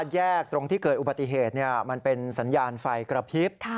แยกตรงที่เกิดอุบัติเหตุมันเป็นสัญญาณไฟกระพริบ